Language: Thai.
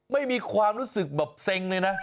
ไม่มีความรู้สึกแบบเซ็งเลยนะ